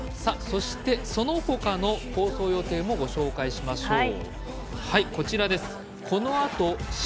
そのほかの放送予定もご紹介しましょう。